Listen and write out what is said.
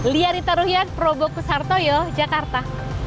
liarita ruhyat probokus harto yoh jakarta